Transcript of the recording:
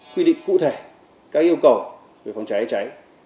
quy định cụ thể các yêu cầu về phòng cháy cháy